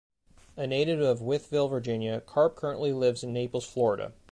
A native of Wytheville, Virginia, Carp currently lives in Naples, Florida.